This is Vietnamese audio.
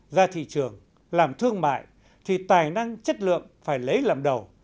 ra thị trường làm thương mại thì tài năng chất lượng phải lấy làm đầu